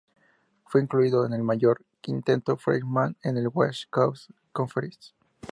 Fue incluido en el Mejor Quinteto Freshman de la West Coast Conference.